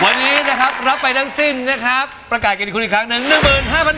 วันนี้นะครับรับไปทั้งสิ้นนะครับประกาศกันอีกคุณอีกครั้งหนึ่ง